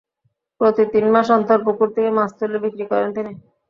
প্রতি তিন মাস অন্তর পুকুর থেকে মাছ তুলে বিক্রি করেন তিনি।